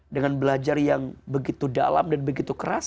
dengan belajar yang begitu dalam dan begitu keras